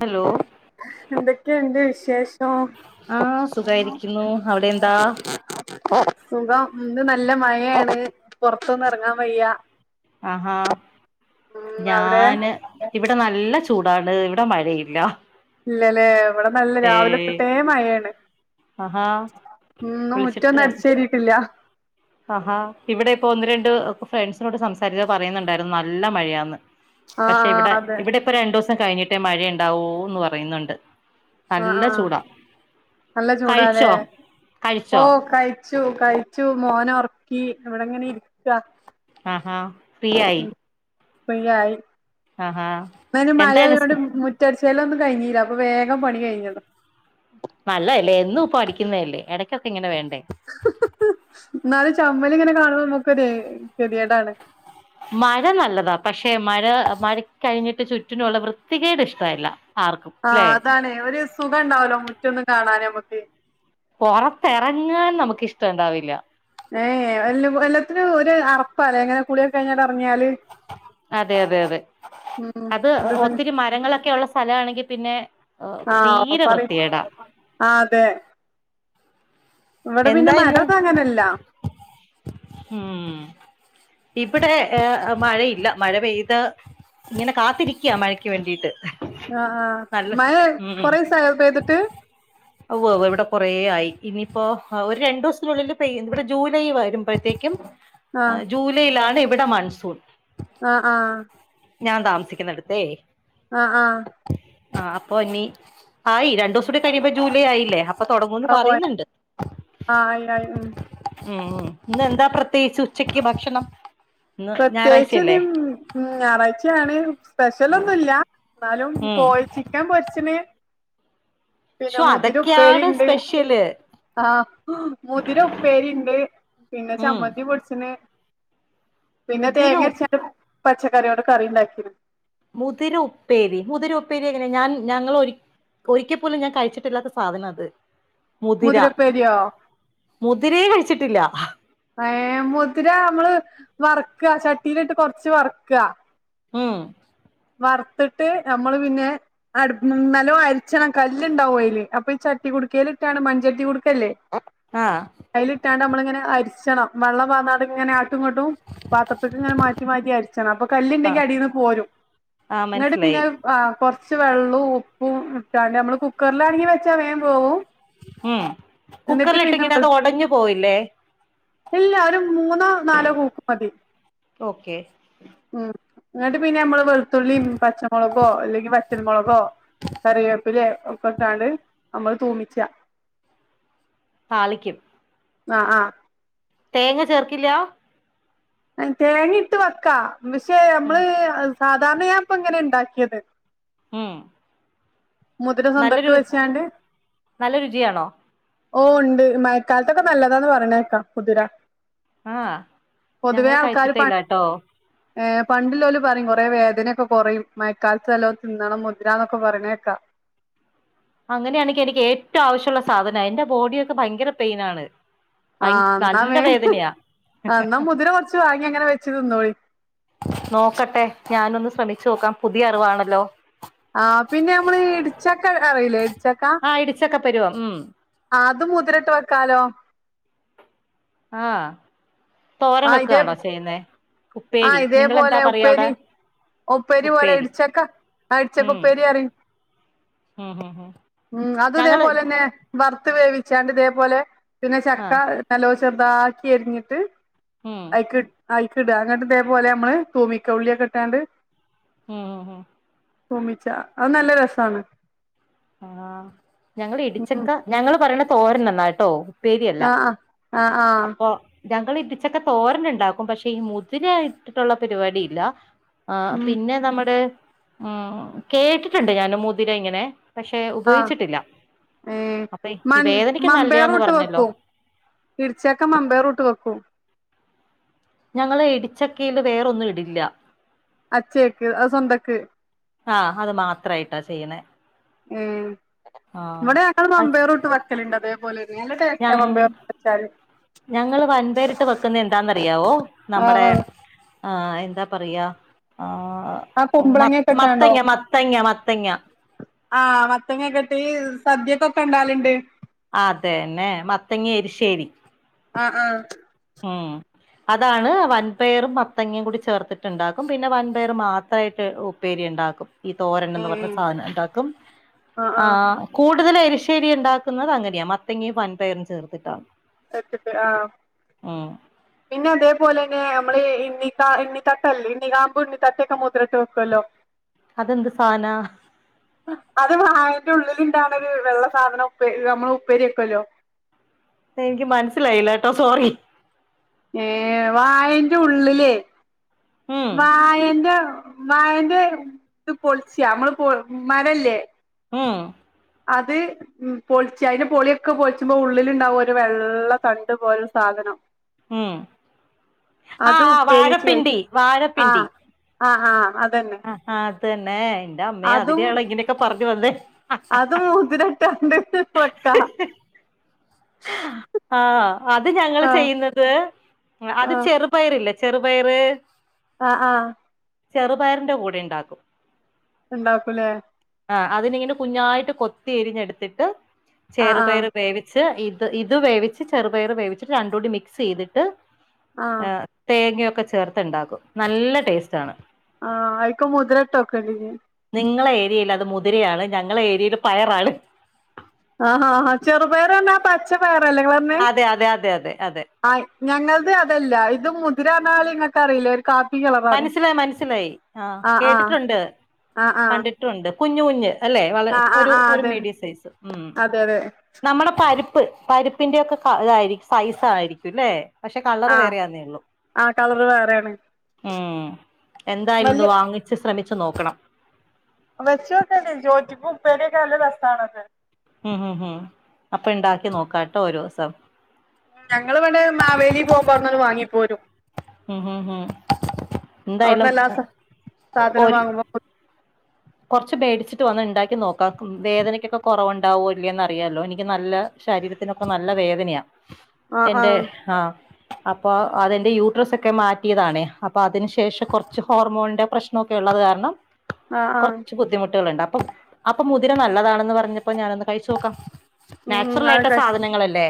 Hello എന്തൊക്കെയുണ്ട് വിശേഷ ആഹ് സുഖായിരിക്കുന്നു അവിടെ എന്താ സുഖം ഇന്ന് നല്ല മഴയാണ് പോർത്തൊന്നും ഇറങ്ങാൻ വയ്യ ആഹാ ഉം അവിടെ ഞാന് ഇവിടെ നല്ല ചൂ ചൂടാണ് ഇവിടെ മഴയില്ല ഇല്ലല്ലേ ഇവിടെ നല്ല രാവിലെ ഏഹ് തോട്ടേ മഴയാണ് ആഹാ ഇന്ന് മുറ്റൊന്നും വിളിച്ചിട്ട് അടിച്ചാരിട്ടില്ല ആഹാ ഇവിടെ ഇപ്പോ ഒന്ന് രണ്ട് ഫ്രണ്ട്സിനോട് സംസാരിച്ചപ്പൊ പറയുന്നുണ്ടായിരുന്നു നല്ല മഴയാന്ന് പക്ഷെ ആഹ് ഇവിടെ ആഹ് അതെ ഇവിടെപ്പോ രണ്ടുസം കഴിഞ്ഞിട്ടേ മഴണ്ടാവൂന്ന് പറയുന്നുണ്ട് ആഹ് നല്ല ആഹ് ചൂടാ നല്ല ചൂടാലേ കഴിച്ചോ കഴിച്ചോ ഓ കഴി ച്ചു കഴിച്ചു മോനെറക്കി ഇവിടെങ്ങനെ ഇരിക്ക ആഹാ ഫ്രീ ആയി. ഫ്രീ ആയി ആഹാ വേനൽ മഴയോട് എന്തായിരുന്നു മു മുറ്റടിച്ചു വാരാലോന്നും കഴഞ്ഞില്ല അപ്പൊ വേഗം പണി കഴിഞ്ഞ നല്ലതല്ലേ എന്നും പ്പൊ അടിക്കുന്നതല്ലേ എടക്കൊക്കെ ഇങ്ങനെ വേണ്ടേ എന്നാല് ചമ്മല്ങ്ങനെ കാണ്മ്പോ നമുക്ക് ഒരു ഗതികേടാണ് മഴ നല്ലതാ പക്ഷെ മഴ മഴ കഴിഞ്ഞിട്ട് ചുറ്റിനുള്ള വൃത്തികേട് ഇഷ്ടല്ല ആഹ് അതാണ് ഒരു സുഖം ഉണ്ടാവൂല്ല മുറ്റൊന്നും കാണാന് നമുക്ക് പൊറത്തിറങ്ങാൻ നമുക്ക്ഷ്ടണ്ടാവില്ല. ഏഹ് എല്ല എല്ലത്തിനും ഒരു അറപ്പ അല്ലേ ങ്ങനെ കുളിയൊക്കെ കഴിഞ്ഞാട് ഇറങ്ങിയാല്. അതെ അതെ അതെ ഉം അത് ഒരിത് ഒത്തിരി മരങ്ങളൊക്കെ ഉള്ള സ്ഥലണെങ്കിൽ പിന്നെ ആഹ് തീരെ പറയ് വൃത്തിക്കെടാ ആഹ് അതെ ഇവിടെ പിന്നെ എന്താ ഇന്ന് മരൊന്നും അങ്ങനില്ല ഉം ഇവിടെ ഏഹ് മഴയില്ല മഴ പെയ്ത് ഇങ്ങനെ കാത്തിരിക്ക മഴയ്ക്ക് വേണ്ടീട്ട്. ആഹ് ആഹ് മഴ കുറേസയോ പേതിട്ട് ഉവ്വ ഉവ്വ ഇവിടെ കുറേ ആയി ഇനിയിപ്പോ ഒരു രണ്ട്സത്തിനുള്ളില് പെയ്യും ഇവിടെ ജൂലൈ ആ വരുമ്പഴത്തേക്കും ആഹ് ജൂലൈയിലാണ് ഇവിടെ മൺസൂൺ ആഹ് ആഹ് ഞാൻ താമസിക്കുന്നെടുത്തേ ആഹ് ആഹ് ആഹ് അപ്പൊ ഇനി ആയി രണ്ടുവസുടി കഴിയുമ്പോ ജൂലൈ ആയില്ലേ പ്പൊ തുടങ്ങുന്ന് ഓഹ് പറയുന്നുണ്ട്. ആഹ് ആയി ആയി ഉം ഉം ഉം ഇന്ന്ന്താ പ്രത്യേകിച്ച് ഉച്ചക്ക് ഭക്ഷണം. ഇന്ന് പ്രത്യേകിച്ച് നി ഞായറാഴ്ചയല്ലേ ഉം ഞായറാഴ്ചയാണ് സ്പെഷ്യലൊന്നുല്ല എന്നാലും ഉം പോയി ചിക്കൻ പൊരിച്ചിന് പിന്നെ ശോ മുതിര അതൊക്കെയാണ് ഉപ്പേരിയിണ്ട് സ്പെഷ്യല് ആഹ് മുതിര ഉപ്പേരിണ്ട് പിന്നെ ഉം ചമ്മന്തി പൊടിച്ചന് പിന്നെ മുതിര തേങ്ങ ഉ അരച്ചട്ട് പച്ചക്കറിയോട് കറി ഉണ്ടാക്കിരു മുതിര ഉപ്പേരി മുതിര ഉപ്പേരി എങ്ങനെ ഞാൻ ഞങ്ങള് ഒരി ഒരിക്ക പോലും ഞാൻ കഴിച്ചിട്ടില്ലാത്ത സാധനാ അത് മുതിര മുതിരപ്പേരിയോ മുതിരെ കഴിച്ചിട്ടില്ല ഏഹ് മുതിര നമ്മള് വർക്കാ ചട്ടിയിലിട്ട് കൊറച്ച് വർക്കാ ഉം വർത്തിട്ട് നമ്മള് പിന്നെ അടുപ്പ്മ്മേ നല്ലോ അരിച്ചണം കല്ല്ണ്ടാവും അയില് അപ്പൊ ഈ ചട്ടി കുടുക്കേലിട്ടാട്ട് മൺചട്ടി കുടുക്കല്ലേ ആഹ് അയ്ലിട്ടാണ്ട് നമ്മളിങ്ങനെ അരിച്ചണം വെള്ളം പാർന്നാട്ടിങ്ങനെ ആട്ടുംങ്ങോട്ടും പാത്രത്ത്ക്ക്ങ്ങനെ മാറ്റി മാറ്റി അരിച്ചണം അപ്പൊ കല്ലിണ്ടെങ്കി ആഹ് അടീന്ന് പോരും ആഹ് ഇങ്ങട്ട് മനസ്സിലായി പിന്നെ ആ കൊറച്ച് വെള്ളോം ഉപ്പും ഇട്ടാണ്ട് നമ്മള് കുക്കറിലാണെങ്കിവെച്ചാൽ വേഗം വേവും ഉം എന്നിട്ട് കുക്കറിലിട്ടിങ്ങനെ പിന്നെ അത് ഒടഞ്ഞു പോവില്ലേ? ഇല്ല, ഒരു മൂന്നോ നാലോ കൂക്ക് മതി. ഓക്കെ. ഉം ന്നട്ട് പിന്നെ ഞമ്മള് വെളുത്തുള്ളീം പച്ചമുളകോ അല്ലെങ്കി വറ്റൽമുളകോ കറിവേപ്പിലേം ഒക്കെട്ടാണ്ട് നമ്മള് തൂമിച്ചാ താളിക്കും ആഹ് ആഹ് തേങ്ങ ചേർക്കില്ലാ? തേങ്ങിംട്ട് വെക്കാ പക്ഷെ ഉം ഞമ്മള് സാധാരണ ഞാൻപ്പം ഇങ്ങനെ ഇണ്ടാക്കിയത് ഉം മുതിരസൊന്തക്ക് നല്ലൊരു വെച്ചാണ്ട് നല്ല രുചിയാണോ ഓ ഇണ്ട് മയക്കാലത്തൊക്കെ നല്ലതാന്ന് പറഞ്ഞേക്കാം മുതിര ആഹ് ഞങ്ങള് കഴിച്ചിട്ടേ ഇല്ല കേട്ടോ ഏ പണ്ടില്ലോല് പറയും കൊറേ വേദനയൊക്കെ കൊറയും മയക്കാലത്ത് നല്ലോം തിന്നണം മുദ്രാന്നൊക്കെ പറയ്ണേക്കാം അങ്ങനെയാണെകെനിക്കേറ്റവും ആവശ്യംള്ള സാധനാ എന്റെ ബോഡിയൊക്കെ ഭയങ്കര പെയിനാണ് ഭയ ആഹ് ന്നാ നല്ല മേം വേദനയാ എന്നാ മുതിര കൊറച്ച് വാങ്ങി ങ്ങനെ വെച്ച് തിന്നോളി നോക്കട്ടെ ഞാനൊന്ന് ശ്രമിച്ചു നോക്കാം പുതിയ അറിവാണല്ലോ ആഹ് പിന്നെ നമ്മളീ ഇടിച്ചക്ക അറിയില്ലേ ഇടിച്ചക്ക ചക്ക പരിവം ഉം ആഹ് അത് മുതിരട്ട് വെക്കാലോ ആഹ് തോരൻ ആഹ് ഇതേ വെക്കാണോ ചെയ്യുന്നേ? ഉപ്പേരി നിങ്കളെന്താ പറയാ അവിടെ ഒപ്പേരി പോലെ ഉപ്പേരി ഇടിച്ചക്കാ ആഹ് ഇടിച്ചക്ക ഉം ഉപ്പേരി പറിം ഉം ഉം ഉം ഉം അത് ഞങ്ങള് ഇതേപോലെന്നെ വർത്ത് വേവിച്ചാണ്ട് ഇതേപോലെ പിന്നെ ചക്ക ആഹ് നല്ലോ ചെർതാക്കി എരിഞ്ഞിട്ട് ഉം ക് അയ്ക്കിടാ ങ്ങട്ട് ദേപോലെ ഞമ്മള് തൂമിക്ക ഉള്ളിയൊക്കെ ഇട്ടാണ്ട് ഉം ഉം തൂമിച്ച അതും നല്ല രസാണ് ആഹ് ഞങ്ങൾ ഉം ഇടിച്ചക്ക ഞങ്ങള് പറയ്ണ തോരൻന്നാട്ടോ ഉപ്പേരിയല്ല ആഹ് ആഹ് ആഹ് ആഹ് അപ്പൊ ഞങ്ങള് ഇടിച്ചക്ക തോരൻ ഇണ്ടാക്കും പക്ഷെ ഈ മുതിര ഇട്ടിട്ടുള്ള പരിപാടി ഇല്ല ആ ഉം പിന്നെ നമ്മുടെ ഉം കേട്ടിട്ടുണ്ട് ഞാന് മുതിര ഇങ്ങനെ പക്ഷെ ആഹ് ഉപയോഗിച്ചിട്ടില്ല ഏഹ് അപ്പ ഈ മൺ വേദനക്ക് നല്ലയാന്ന് മമ്പേറൂട്ട് പറഞ്ഞല്ലോ വെക്കും ഇടിച്ചക്ക മമ്പേയറുംട്ട് വെക്കും ഞങ്ങള് ഇടിച്ചക്കയില് വേറൊന്നും ഇടില്ല അച്ചേയ്ക്ക് അത് സ്വന്തക്ക് ആഹ് അത് മാത്രായിട്ടാ ചെയ്യണേ ഉം ആഹ് ഇവിടെ ഞങ്ങൾ അച് മംമ്പയറും ഇട്ട് വെക്കല്ണ്ട് അതേപോലെ നല്ല ഞ ടേസ്റ്റാ മംമ്പയറുംട്ട് വെച്ചാല് ഞങ്ങള് വൻപേരിട്ട് വെക്കുന്ന എന്താന്നറിയാവോ നമ്മടെ ആഹ് ആഹ് ആ എന്താ പറയാ ആ ആ മത്ത കുമ്പളങ്ങൊക്കെ ഇട്ടാണ്ടോ മത്തങ്ങ മത്തങ്ങ മത്തങ്ങ ആഹ് മത്തങ്ങേക്ക് ഇട്ട് സദ്യകൊക്കെ ഇണ്ടാലുണ്ട്. ആ അതെന്നെ മത്തങ്ങ എരിശ്ശേരി. ആഹ് ആ. ഉം. അതാണ് വൻപയറും പത്തങ്ങയും കൂടി ചേർത്തിട്ടുണ്ടാക്കും. പിന്നെ വൻപയർ മാത്രമായിട്ട് ഉ പേരി ഉണ്ടാക്കും. ഈ തോരൻ എന്ന് പറഞ്ഞ ഏഹ് സാധനം ഉണ്ടാക്കും. ആഹ് ആ ആഹ് കൂടുതല് എരിശേരി ഉണ്ടാക്കുന്നത് അങ്ങനെയാ. മത്തങ്ങേ വൻപയറും ചേർത്തിട്ടാണ്. ത കിട്ട് ആ ഉം. പിന്നെ അതേപോലെ തന്നെ നമ്മള് ഇ ഇന്നി താ ഇന്നി തട്ടല്ല, ഇന്നി കാമ്പു ഇണ്ണി തട്ടക്കെ മുത് രീട്ടു വെക്കുമല്ലോ. [inaudible] അതെന്ത് സാനാ? അത് വാഴന്റെ ഉള്ളിൽ ഉണ്ടാവുന്ന ഒരു വെള്ള സാധനം, ഉപ്പേ നമ്മള് ഉപ്പേരിയക്കല്ലോ. എനിക്ക് മനസ്സിലായില്ല ട്ടോ, സോറി. ഏ വാഴെന്റെ ഉള്ളിലെ ഉം വാഴേന്റ, വാഴേന്റെ ഇത് പൊളിച്ചിയ. നമ്മള് മരല്ലേ, ഉം. അത് ഉ പൊളിച്ച് അതിന്റെ പൊളിയൊക്കെ പൊളിച്ചുമ്പോ ഉള്ളിൽ ഉണ്ടാവും ഒരു വെള്ള തണ്ടുപോലെ ഒരു സാധനം. ഉം ആ അത് ആ വാഴപ്പിണ്ടി, വാഴപ്പിണ്ടി. ആ ആ അതന്നെ. ആ അതന്നെ. എന്റെ അമ്മെ അതും അതിനാള ഇങ്ങനെയൊക്കെ പറഞ്ഞു വന്നേ. തണ്ട് [unintelligible] ആഹ് അത് ഞങ്ങൾ ആഹ് ചെയ്യുന്നത്, അത് ആഹ് ചെറു പയറ്ല്ലെ, ചെറുപയറ്. ആ ആ. ചെറുപയറിന്റെ കൂടെ ഉണ്ടാക്കും. ഇണ്ടാക്കൂലേ. ആ അതിനിങ്ങനെ കുഞ്ഞായിട്ട് കൊത്തി എരിഞ്ഞെടുത്തിട്ട് ആഹ് ചെറു ആഹ് പയറ് വേവിച്ച്, ഇത് ഇത് വേവിച്ച് ചെറുപയർ വേവിച്ചിട്ട്, രണ്ണ്ടും കൂടി മിക്സ് ചെയ്തിട്ട് ആഹ് ഏ തേങ്ങൊക്കെ ചേർത്ത്ണ്ടാക്കും, നല്ല ടേസ്റ്റ് ആണ്. ആഹ ആയിക്കോ മുത്രട്ട് വക്കുലെനി. നിങ്ങളെ ഏരിയയിൽ അത് മുതിരയാണ്. ഞങ്ങള ഏരിയയിൽ പയറാണ്. ആഹ് ആ ആ ചെറുപേറ്ന്ന പച്ച പേർ അല്ലെ ങ്ങള് അതെ അതെ അതെ അതെ അതെ. ആ ഞങ്ങളത് അതല്ല. ഇത് മുതിരന്നറഞ്ഞാല് നിങ്ങക്ക് അറിയില്ലെ ഒരു, കാപ്പി കള മനസ്സിലായി, മനസ്സിലായി. ആഹ ആഹ് കേട്ടിട്ടുണ്ട്. ആഹ് ആഹ് കണ്ടിട്ടുണ്ട്. കുഞ് കുഞ്ഞ് അല്ലെ. വളരെ ആഹ് ആഹ് ഒരു ആഹ് ഒരു അതന്നെ മീഡിയം സൈസ് ഉം. അതെ അതെ നമ്മടെ പരിപ്പ് പരിപ്പിന്റോക്കെ ക ഇതായിരിക്കും സൈസ് ആയിരിക്കുംല്ലേ. പക്ഷെ കളറ് വേറെയാന്നേ ഉള്ളൂ. ആ കളറ് വേറെയാണ്. ഉം എന്തായാലും ഒന്ന് വാങ്ങിച്ച് ശ്രമിച്ചു നോക്കണം. വെച് നോക്കാന്. [unintelligible] ഉപ്പേരിയോക്കെ നല്ല രസാണത്. മ് ഹും ഹും. അപ്പൊ ഇണ്ടാക്കി നോക്കാട്ടോ ഒരു ദിവസം. ഞങ്ങള് മറ്റേ മാവേലി പോകുമ്പോ അവിടുന്ന് അങ്ങ് വാങ്ങിപ്പോരും. മ് ഹും ഹും എന്തായാലും അവ്ട്ന്ന് എല്ലാ സാ സാധനം ഒരു [inaudible] കൊറച്ച് മേടിച്ചിട്ട് വന്ന് ഉണ്ടാക്കി നോക്കാം. വേദനക്കൊക്കെ കുറവുണ്ടാവോ ഇല്ലേന്ന് അറിയാല്ലോ. എനിക്ക് നല്ല ശരീരത്തിനൊക്കെ നല്ല വേദനയാ. ആഹ് എന്റെ ആഹ് ആഹ അപ്പൊ അത് എന്റെ യൂട്രസ് ഒക്കെ മാറ്റിയതാണേ അപ്പൊ അതിന് ശേഷം കുറച്ച് ഹോർമോണിന്റെ പ്രശ്ന ഒക്കെ ഉള്ളത് കാരണം ആഹ ആഹ കുറച്ച് ബുദ്ധിമുട്ടുകളുണ്ട് അപ്പൊ അപ്പൊ മുതിര നല്ലതാണെന്ന് പറഞ്ഞപ്പോ ഞാനൊന്ന് കഴിച്ചു നോക്കാം ഉം നാച്ചുറൽ ആയിട്ട് അതൊക്കെ സാധനങ്ങല്ലേ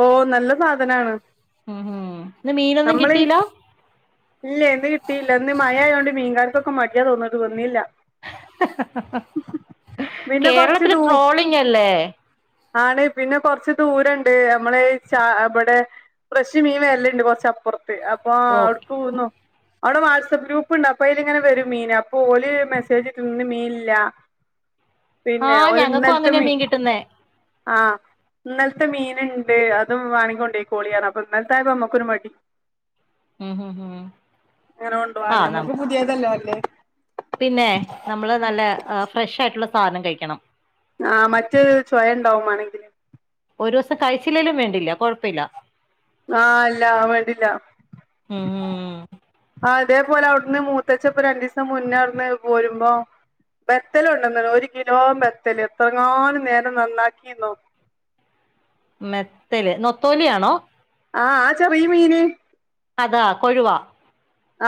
ഓ നല്ല സാധനാണ് ഉ നമ്മള് ഇല്ല ഇന്ന് കിട്ടിയില്ല ഇന്ന് മഴ ആയതോണ്ട് മീൻകാർക്കൊക്കെ മടിയ തോന്നിട്ട് തന്നില്ല പിന്നെ കൊറച്ച് കേരളത്തില് ദൂ ട്രോളിങ് അല്ലേ ആണ് പിന്നെ കൊറച്ച് ദൂരണ്ട് നമ്മളെ ഇവിടെ ഫ്രഷ് മീൻ വരല്ലുണ്ട് കൊറച്ചപ്പുറത്ത് അപ്പൊ ഓ അവിടക്ക് പോന്നോ അവിടെ വാട്സആപ്പ് ഗ്രൂപ്പ് ഉണ്ട് അപ്പൊ അതി ല് ഇങ്ങനെ വരും മീൻ അപ്പൊ ഓല മെസ്സേജ്ന്ന് മീനില്ല പിന്നെ ആഹ് ഓല് ഞങ്ങൾക്കും ഇനൽത്ത അങ്ങനെയാ മി മീൻ കിട്ടുന്നേ ആഹ ഇന്നലത്തെ മീൻണ്ട് അത് വേണോങ്ങി കൊണ്ട് പോകോളി അപ്പൊ ഇന്നലത്തൊയപ്പോ നമ്മക്കൊരു മടി ഉം ഉം ഉം അങ്ങനെ കൊണ്ട പോവാൻ ആഹ് ന നമ്മക്ക് പുതിയതല്ലേ നല്ലേ പിന്നെ നമ്മള് നല്ല ഫ്രഷ് ആയിട്ടുള്ള സാധനം കഴിക്കണം ആ മറ്റേ ചവയ ഉണ്ടാവും വേണെങ്കിൽ ഒരു ദിവസം കഴിച്ചില്ലേലും വേണ്ടില്ല കുഴപ്പമില്ല ആഹ് ഇല്ല വേണ്ടില്ല ഉം ഉം ആ അതേപോലെ അവിടുന്ന് മൂത്തച്ചപ്പോ രണ്ടു ദിവസം ര അവിടുന്ന് പോരുമ്പോ ബെത്തൽ കൊണ്ടൊന്നു ഒരു കിലോ ബെത്തല് എത്രങ്ങാലം നേരം നന്നാക്കിനോ മെത്തല് നൊത്തോലിയാണോ ആഹ് ആ ചെറിയ മീന് അതാ കൊഴുവാ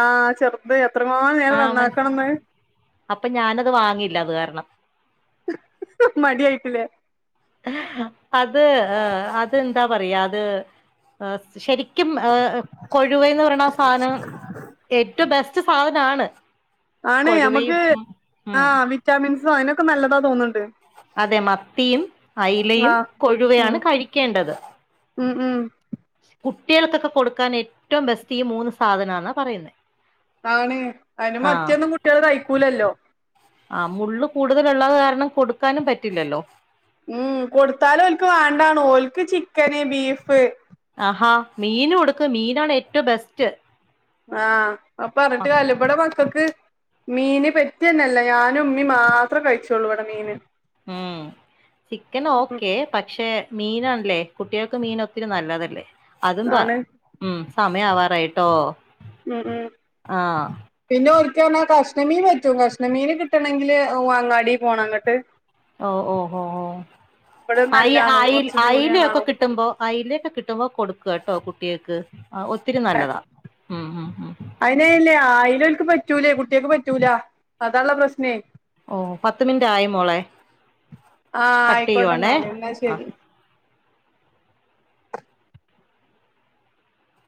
ആഹ ചെറുത് എത്ര മാ ആ നേരം മന നന്നാക്കണംന്ന് അപ്പൊ ഞാനത് വാങ്ങിയില്ല അത് കാരണം മടി ആയിട്ടില്ലേ അത് അത് എന്താ പറയാ അത് ശരി ക്കും ഏ കൊഴുവന്ന് പറയണ ആ സാധനം ഏറ്റവും ബെസ്റ്റ് സാധനാണ് ആണ് കൊഴുവയും നമ്മുക്ക് ഉം ആ ഉം വിറ്റാമിൻസോ അതിനൊക്കെ നല്ലതാ തോന്നുന്നുണ്ട് അതെ മത്തിയും അയലയും ആഹ് ഉം കൊഴുവയാണ് കഴിക്കേണ്ടത് ഉം ഉം കുട്ടികൾക്കൊക്കെ കൊടുക്കാൻ ഏറ്റവും ബെസ്റ്റ് ഈ മൂന്ന് സാധനന്നാ പറയുന്നെ ആണ് അതിന് മത്തി ഒന്നും കുട്ടികള് കയ്ക്കൂലല്ലോ ആ മുള്ള് കൂടുതലുള്ളത് കാരണം കൊടുക്കാനും പറ്റില്ലല്ലോ ഉം കൊടുത്താലും അവർക്ക് വേണ്ടാണ് ഓൾക്ക് ചിക്കന് ബീഫ് ആഹാ മീൻ കൊടുക്ക്‌ മീനാണ് ഏറ്റവും ബെസ്റ്റ് ആഹ് അപ്പ പറഞ്ഞിട്ട് കാര്യില്ല ഇവടെ മക്കൾക്ക് മീന് പെറ്റി തന്നെ അല്ല ഞാനും ഉമ്മി മാത്രേ കഴിച്ചുള്ളൂ ഇവിടെ മീന് ഉം ചിക്കൻ ഓക്കെ. പക്ഷെ മീനാണല്ലേ കുട്ടികൾക്ക് മീൻ ഒത്തിരി നല്ലതല്ലേ അതും പാ ആണ് ഉം സമയം ആവാറായിട്ടോ മം മം ആഹ് പിന്നെ ഒരിക്കല പറഞ്ഞാൽ കഷ്ണമീൻ പറ്റും കഷ്ണമീൻ കിട്ടണമെങ്കിൽ ഓ അങ്ങാടി പോണം അങ്ങോട്ട് ഓ ഓ ഓ ഓ ആയി ഇവിടെന്നല്ലാണു ആയി കൊറച്ച് ആയിലേക്ക് ഒക്കെ ദൂരണാണു കിട്ടുമ്പോ ആയില കെ കിട്ടുമ്പോൾ കൊടുക്കു കേട്ടോ കുട്ടികൾക്ക് ആ ഒത്തിരി നല്ലതാ ഉം ഉം ഉം അയിനല്ലേ അയിലൽക്ക് പറ്റൂലേ കുട്ടികൾക്ക് പറ്റൂല അതാുള്ള പ്രശ്നേ ഓ പത്ത് മിനിറ്റ് ആയി മോളെ ആഹ കട്ട് ആയിക്കോട്ടെ ചെയ്യുവാണേ എന്നല് എന്നാ ആഹ് ശരി